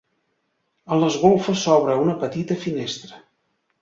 A les golfes s'obre una petita finestra.